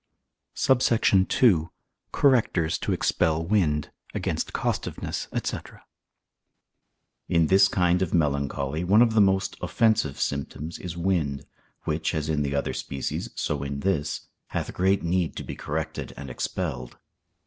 SUBSECT. II.—Correctors to expel Wind. Against Costiveness, &c. In this kind of melancholy one of the most offensive symptoms is wind, which, as in the other species, so in this, hath great need to be corrected and expelled.